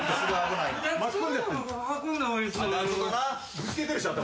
ぶつけてるし頭。